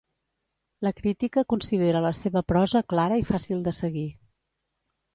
La crítica considera la seva prosa clara i fàcil de seguir.